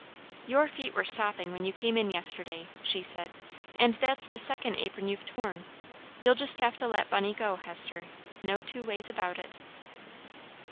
"Your feet were sopping when you came in yesterday," she said; "and that's the second apron you've torn. You'll just have to let Bunny go, Hester; no two ways about it."